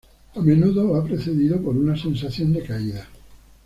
A menudo va precedido por un sensación de caída.